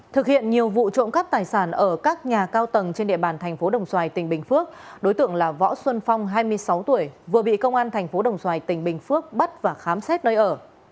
thực hiện nhiều vụ trộm cắp tài sản ở các nhà cao tầng trên địa bàn thành phố đồng xoài tỉnh bình phước đối tượng là võ xuân phong hai mươi sáu tuổi vừa bị công an thành phố đồng xoài tỉnh bình phước bắt và khám xét nơi ở